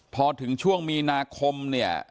พอถึงช่วงมีนาคมเนี่ย